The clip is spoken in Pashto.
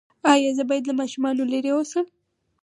ایا زه باید له ماشومانو لرې اوسم؟